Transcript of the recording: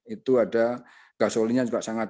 itu ada gasolinya juga sangat